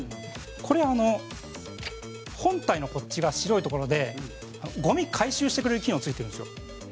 これ、本体のこっちが白い所でゴミ、回収してくれる機能がついてるんですよ。